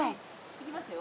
いきますよ